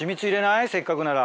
せっかくなら。